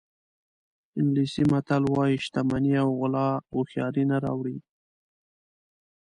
انګلیسي متل وایي شتمني او غلا هوښیاري نه راوړي.